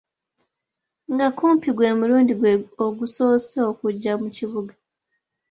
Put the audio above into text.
Nga kumpi gwe mulundi gwe ogusoose okujja mu kibuga.